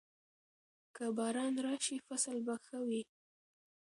که باران راشي، فصل به ښه وي.